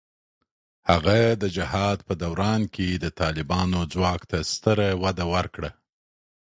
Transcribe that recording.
هغه د جهاد په دوران کې د طالبانو ځواک ته ستره وده ورکړه.